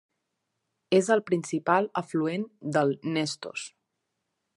És el principal afluent del Nestos.